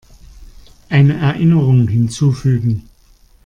Eine Erinnerung hinzufügen.